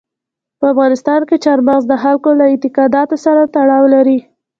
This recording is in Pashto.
په افغانستان کې چار مغز د خلکو له اعتقاداتو سره تړاو لري.